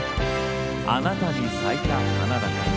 「あなたに咲いた花だから」。